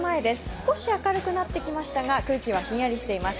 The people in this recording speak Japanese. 少し明るくなってきましたが空気はひんやりしています。